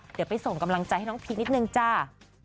เดี๋ยวไปส่งกำลังใจให้น้องพีคนิดนึงจ้า